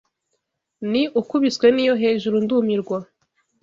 Ni ukubiswe n’iyo hejuru ndumirwa